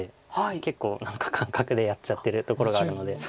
結構感覚でやっちゃってるところがあるので。